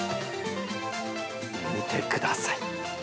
見てください。